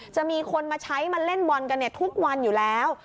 จะมีคนมาใช้มาเล่นบอลกันทุกวันอยู่แล้ว